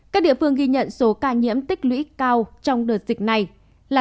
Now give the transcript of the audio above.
các địa phương ghi nhận số ca nhiễm tích lũy cao trong đợt dịch này là